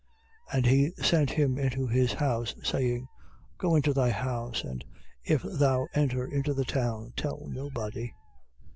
8:26. And he sent him into his house, saying: Go into thy house, and if thou enter into the town, tell nobody.